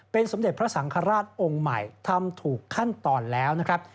เป็นสมเด็จพระสังฆราชองค์ใหม่ทำถูกขั้นตอนแล้วนะครับ